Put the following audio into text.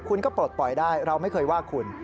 คุณก็ปลดปล่อยได้เราไม่เคยว่าคุณ